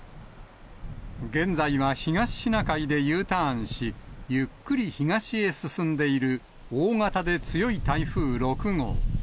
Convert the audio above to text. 現在は東シナ海でＵターンし、ゆっくり東へ進んでいる大型で強い台風６号。